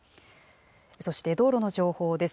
そして道路の情報です。